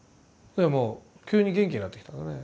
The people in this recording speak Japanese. もう急に元気になってきたのね。